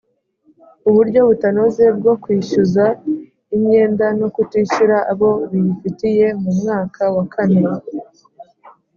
Uburyo butanoze bwo kwishyuza imyenda no kutishyura abo biyifitiye mu mwaka wa kane